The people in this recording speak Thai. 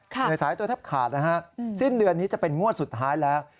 เหนื่อยสายตัวแทบขาดนะฮะสิ้นเดือนนี้จะเป็นงวดสุดท้ายแล้ว